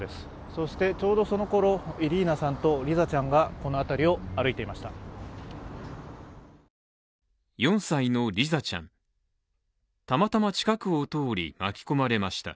そしてちょうどそのころイリーナさんとリザちゃんがこの辺りを歩いていました。